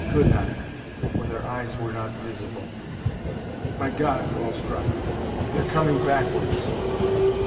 Could not for their eyes were not visible. "My God!" Wells cried. "They're coming backwards!"